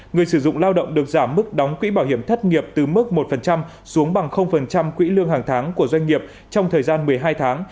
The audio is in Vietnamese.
người sử dụng lao động được giảm mức đóng quỹ bảo hiểm thất nghiệp từ mức một xuống bằng quỹ lương hàng tháng của doanh nghiệp trong thời gian một mươi hai tháng